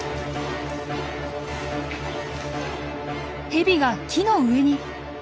ヘビが木の上に！